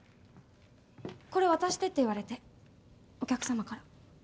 これ渡してって言われてお客様から。